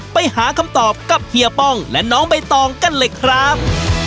ไปหาคำตอบกับเฮียป้องและน้องใบตองกันเลยครับ